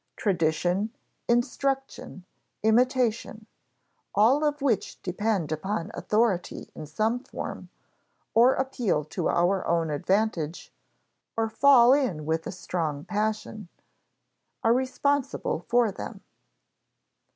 Tradition, instruction, imitation all of which depend upon authority in some form, or appeal to our own advantage, or fall in with a strong passion are responsible for them.